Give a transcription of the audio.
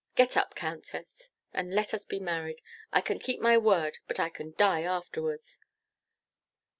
Get up, Countess, and let us be married; I can keep my word, but I can die afterwards.